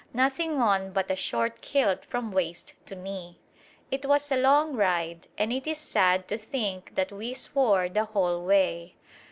Nothing on but a short kilt from waist to knee. It was a long ride, and it is sad to think that we swore the whole way.